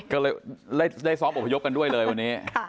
ก็เลยได้ซ้อมอพยพกันด้วยเลยวันนี้